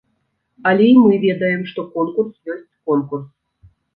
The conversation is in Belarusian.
Але і мы ведаем, што конкурс ёсць конкурс.